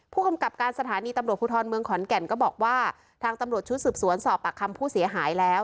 ผู้กำกับการสถานีตำรวจภูทรเมืองขอนแก่นก็บอกว่าทางตำรวจชุดสืบสวนสอบปากคำผู้เสียหายแล้ว